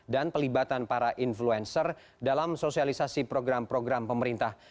dan pelibatan para influencer dalam sosialisasi program program pemerintah